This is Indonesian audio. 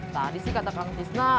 tadi sih kata kang bisna